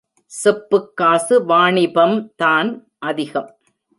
செப்புக் காசு வாணிபம் தான் அதிகம்.